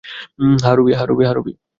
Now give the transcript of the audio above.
হ্যাঁ, রুবি।